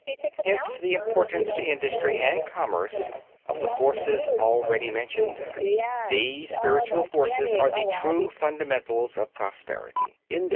Hence, the importance to industry and commerce of the forces already mentioned. These spiritual forces are the true fundamentals of prosperity.